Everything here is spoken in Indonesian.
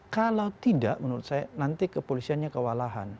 kalau tidak menurut saya nanti kepolisiannya kewalahan